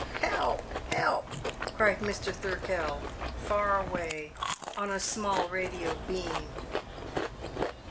"Help, help!" cried Mr. Thirkell, far away, on a small radio beam.